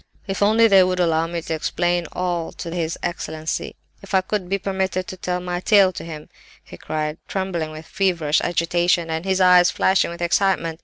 "'If only they would allow me to explain all to his excellency! If I could but be permitted to tell my tale to him!" he cried, trembling with feverish agitation, and his eyes flashing with excitement.